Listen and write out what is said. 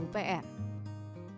usaha menyusuri sungai ciliwung